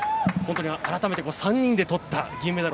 改めて３人でとった銀メダル